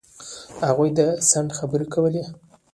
هغوی د ځنډ خبرې کولې.